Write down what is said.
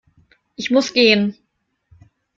Ich muss gehen